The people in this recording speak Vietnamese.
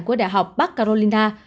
của đại học bắc carolina